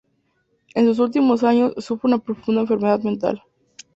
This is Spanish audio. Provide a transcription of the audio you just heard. En sus últimos años, sufre una profunda enfermedad mental.